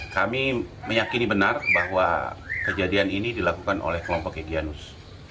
kami meyakini benar bahwa kejadian ini dilakukan oleh kelompok egyanus